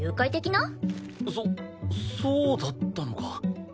そそうだったのか。